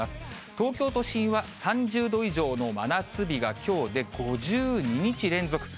東京都心は３０度以上の真夏日がきょうで５２日連続。